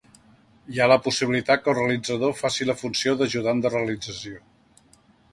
Hi ha la possibilitat que el realitzador faci la funció d'ajudant de realització.